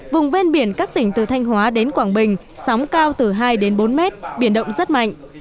vùng ven biển các tỉnh từ thanh hóa đến quảng bình sóng cao từ hai đến bốn mét biển động rất mạnh